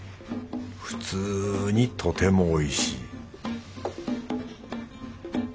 普通にとてもおいしい